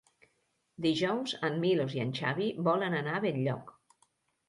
Dijous en Milos i en Xavi volen anar a Benlloc.